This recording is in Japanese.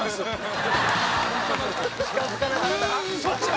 「近付かなかったか？」